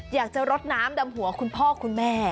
รดน้ำดำหัวคุณพ่อคุณแม่